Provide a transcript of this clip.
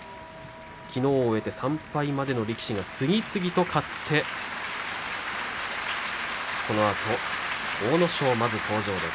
３敗までの力士が次々に勝ってこのあと阿武咲まず登場です。